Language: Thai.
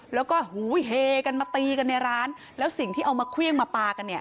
แล้วก็หูเฮกันมาตีกันในร้านแล้วสิ่งที่เอามาเครื่องมาปลากันเนี่ย